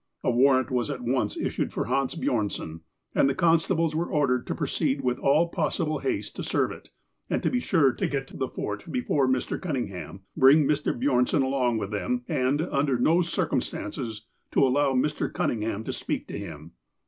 A warrant was at once issued for Hans Bjornson, and the constables were ordered to proceed with all possible haste to serve it, and to be sure to get to the Fort before Mr. Cunningham, bring Mr. Bjornson along with them, and, under no circumstances, to allow Mr. Cunningham to speak to him.